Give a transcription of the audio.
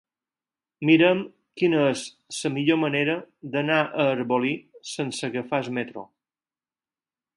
Mira'm quina és la millor manera d'anar a Arbolí sense agafar el metro.